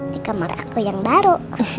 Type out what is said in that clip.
di kamar aku yang baru